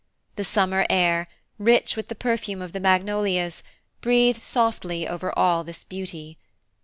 The summer air, rich with the perfume of the magnolias, breathed softly over all this beauty.